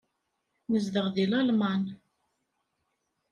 Nezdeɣ deg Lalman.